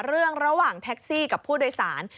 ระหว่างแท็กซี่กับผู้โดยสาร